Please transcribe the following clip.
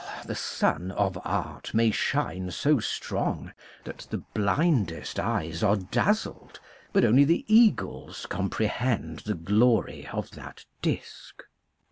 Well, the sun of art may shine so strong that the blindest eyes are dazzled, but only the eagles com prehend the glory of that disc.